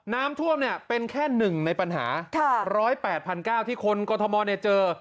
น้ำท่วมเนี่ยเป็นแค่หนึ่งในปัญหา๑๐๘๙๐๐ที่คนกรฑมรเนี่ยเจอ